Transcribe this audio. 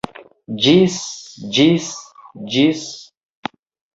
Ĝis... ĝis... ĝis...